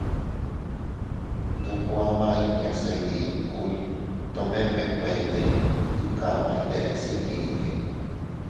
Ndoko ama inña se iydikuy tomene nbekuendey ndi kaʼmay deʼes iyyinne.